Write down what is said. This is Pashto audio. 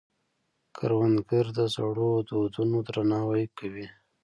کروندګر د زړو دودونو درناوی کوي